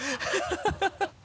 ハハハ